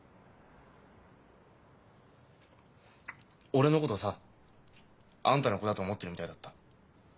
俺のことさあんたの子だと思ってるみたいだった。